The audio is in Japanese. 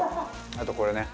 あとこれね。